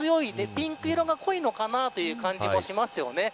ピンク色が濃いのかなという感じもしますよね。